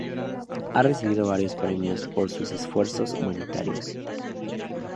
Ha recibido varios premios por sus esfuerzos humanitarios.